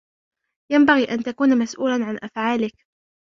ينبغي أن تكون مسؤولًا عن أفعالك.